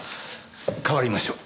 代わりましょう。